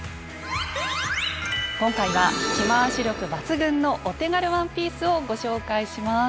今回は着回し力抜群のお手軽ワンピースをご紹介します。